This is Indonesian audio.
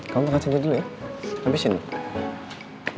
kamu makan sini dulu ya nanti sini